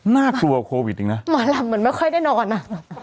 น่ากลัวโควิดอีกนะหมอลำเหมือนไม่ค่อยได้นอนอ่ะ